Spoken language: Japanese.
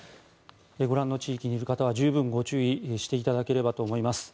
ご覧の地域にいる方は十分ご注意していただければと思います。